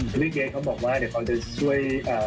พี่เกรดเขาบอกว่าเดี๋ยวเขาจะช่วย